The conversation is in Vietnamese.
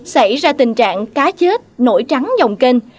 xảy ra tình trạng cá chết nổi trắng dòng kênh